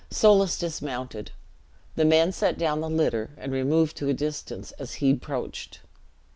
Soulis dismounted. The men set down the litter, and removed to a distance as he approached.